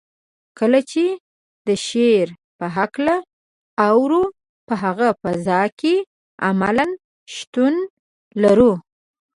کله چې د شعر په هکله اورو په هغه فضا کې عملاً شتون لرو.